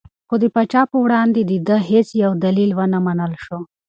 خو د پاچا په وړاندې د ده هېڅ یو دلیل ونه منل شو.